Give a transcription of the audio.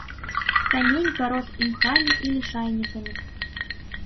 Камень парос імхамі і лішайнікамі.